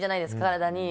体に。